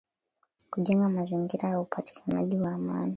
kujenga mazingira ya upatikanaji wa amani